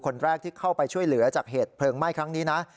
คนแรกที่เข้าไปช่วยเหลือจากเหตุเพลิงไหม้ครั้งนี้นะ